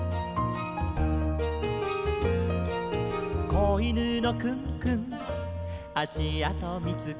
「こいぬのクンクンあしあとみつけた」